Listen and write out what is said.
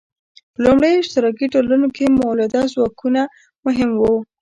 په لومړنیو اشتراکي ټولنو کې مؤلده ځواکونه مهم وو.